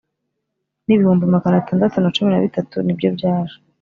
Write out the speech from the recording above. n ibihumbi magana atandatu na cumi na bitatu nibyo byaje